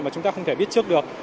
mà chúng ta không thể biết trước được